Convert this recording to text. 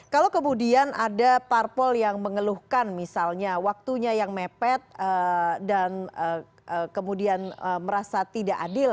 kalau kemudian ada parpol yang mengeluhkan misalnya waktunya yang mepet dan kemudian merasa tidak adil